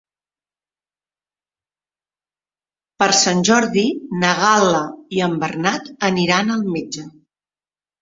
Per Sant Jordi na Gal·la i en Bernat aniran al metge.